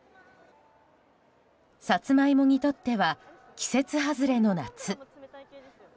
サツマイモにとっては季節外れの夏。